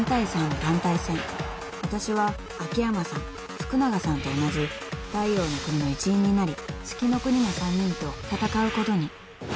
［わたしは秋山さん福永さんと同じ太陽ノ国の一員になり月ノ国の３人と戦うことに］